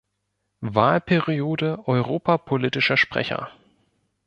Wahlperiode Europapolitischer Sprecher.